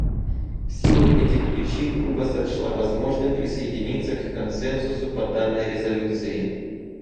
В силу этих причин Куба сочла возможным присоединиться к консенсусу по данной резолюции.